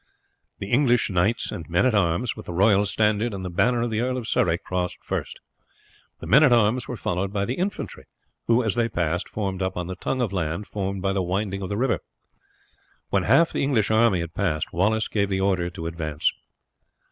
The English knights and men at arms, with the Royal Standard and the banner of the Earl of Surrey, crossed first. The men at arms were followed by the infantry, who, as they passed, formed up on the tongue of land formed by the winding of the river. When half the English army had passed Wallace gave the order to advance.